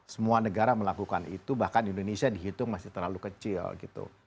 semua negara melakukan itu bahkan indonesia dihitung masih terlalu kecil gitu